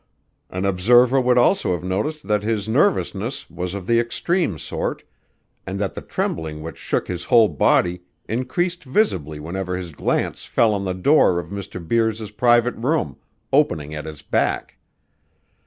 An observer would also have noticed that his nervousness was of the extreme sort, and that the trembling which shook his whole body increased visibly whenever his glance fell on the door of Mr. Beers's private room, opening at his back.